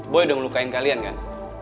boy udah ngelukain kalian gak